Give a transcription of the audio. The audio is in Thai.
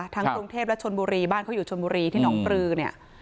กรุงเทพและชนบุรีบ้านเขาอยู่ชนบุรีที่หนองปลือเนี่ย